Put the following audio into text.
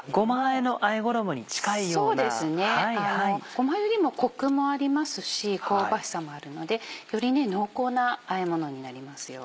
ごまよりもコクもありますし香ばしさもあるのでより濃厚なあえものになりますよ。